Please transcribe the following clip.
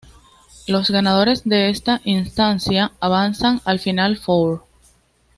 Los ganadores de esta instancia avanzan al "final four".